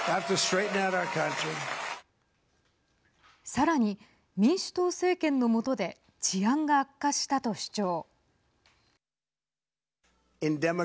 さらに、民主党政権の下で治安が悪化したと主張。